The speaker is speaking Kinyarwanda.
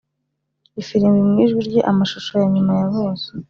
ifirimbi mu ijwi rye. amashusho yanyuma ya bose,